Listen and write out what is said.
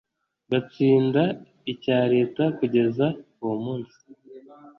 batsinda icya leta kugeza uwo munsi